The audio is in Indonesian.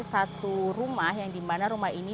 satu rumah yang dimana rumah ini